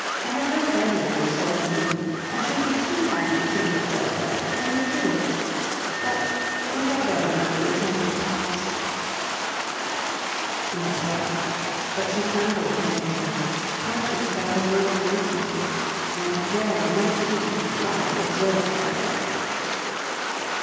I have no pleasure in the sort of meeting, and should be too happy to change it for a play, and with you. But, it had better not be attempted, perhaps." She had spoken it; but she trembled when it was done, conscious that her words were listened to, and daring not even to try to observe their effect.